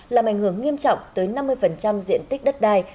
làm ảnh hưởng nghiêm trọng tới năm mươi diện tích đất đai